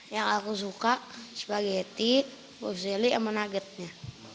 yang aku suka spageti boseli sama nuggetnya